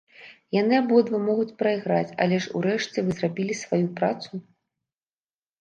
Яны абодва могуць прайграць, але ж, урэшце, вы зрабілі сваю працу?